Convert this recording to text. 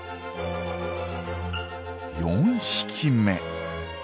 ４匹目。